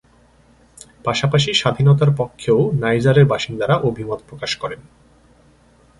পাশাপাশি স্বাধীনতার পক্ষেও নাইজারের বাসিন্দারা অভিমত প্রকাশ করেন।